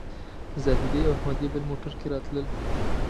زاهدي او احمدي بل موټر کې راتلل.